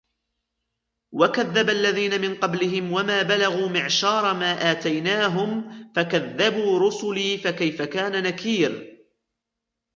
وكذب الذين من قبلهم وما بلغوا معشار ما آتيناهم فكذبوا رسلي فكيف كان نكير